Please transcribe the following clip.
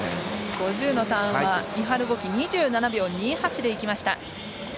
５０のターンはイハル・ボキ２７秒２８でいきました。